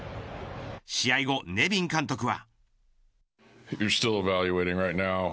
試合後、ネビン監督は。